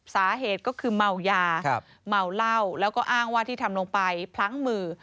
สาเหตุก็คือเมายาเมาเหล้าแล้วก็อ้างว่าที่ทำลงไปพลั้งมือ